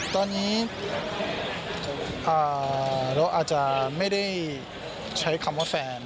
ตอนนี้เราอาจจะไม่ได้ใช้คำว่าแฟน